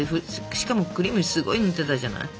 しかもクリームすごいぬってたじゃない。